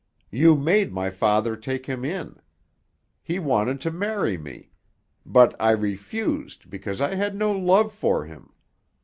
You made my father take him in. He wanted to marry me. But I refused, because I had no love for him.